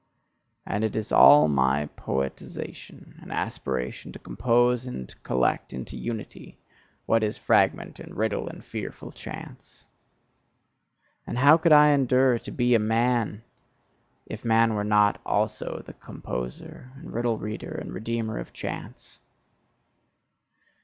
And it is all my poetisation and aspiration to compose and collect into unity what is fragment and riddle and fearful chance. And how could I endure to be a man, if man were not also the composer, and riddle reader, and redeemer of chance!